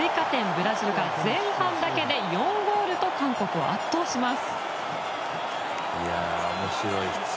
ブラジルが前半だけで４ゴールと韓国を圧倒します。